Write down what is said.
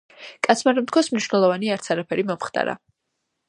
კაცმა რომ თქვას, მნიშვნელოვანი არც არაფერი მომხდარა.